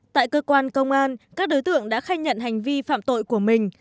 tại cơ quan công an các đối tượng đã khai nhận hành vi phạm tội của mình